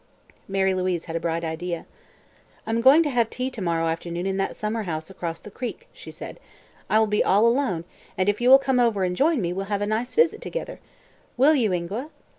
Mary Louise had a bright idea. "I'm going to have tea to morrow afternoon in that summer house across the creek," said she. "I will be all alone and if you will come over and join me we'll have a nice visit together. Will you, Ingua?"